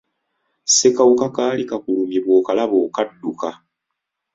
Ssekawuka kaali kakulumye bw'okalaba okadduka.